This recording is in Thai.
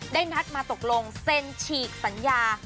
นัดมาตกลงเซ็นฉีกสัญญา